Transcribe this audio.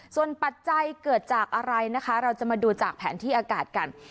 ส่วนปัจจัยเกิดจากอะไรนะคะเราจะมาดูจากแผนที่อากาศกัน